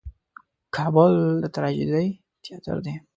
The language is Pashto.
کابل د ټراجېډي تیاتر دی.